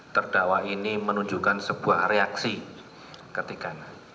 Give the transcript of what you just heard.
terdakwa ini menunjukkan sebuah reaksi ketika